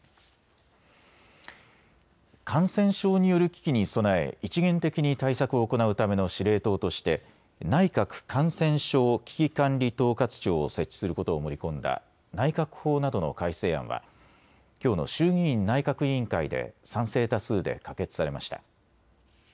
感染症による危機に備え一元的に対策を行うための司令塔として内閣感染症危機管理統括庁を設置することを盛り込んだ内閣法などの改正案はきょうの衆議院内閣委員会で賛成多数で可決されました。